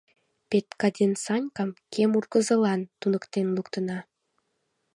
— Петька ден Санькам кем ургызылан туныктен луктына.